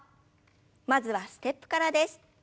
まずはステップからです。